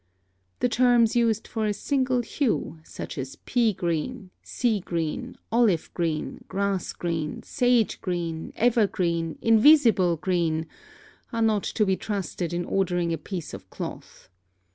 The terms used for a single hue, such as pea green, sea green, olive green, grass green, sage green, evergreen, invisible green, are not to be trusted in ordering a piece of cloth.